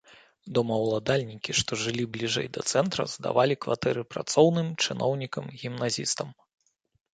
Домаўладальнікі, што жылі бліжэй да цэнтра, здавалі кватэры працоўным, чыноўнікам, гімназістам.